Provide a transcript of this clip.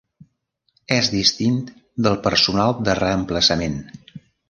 És distint del personal de reemplaçament.